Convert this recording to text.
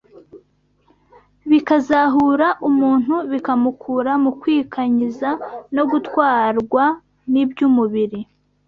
bikazahura umuntu bikamukura mu kwikanyiza no gutwarwa n’iby’umubiri